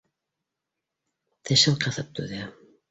Тешен ҡыҫып түҙә